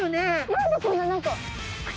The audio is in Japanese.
何でこんな何か。